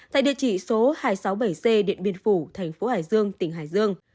tại địa chỉ số hai trăm sáu mươi bảy c điện biên phủ thành phố hải dương tỉnh hải dương